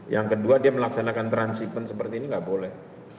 yang kedua dia melaksanakan transhipment seperti ini nggak boleh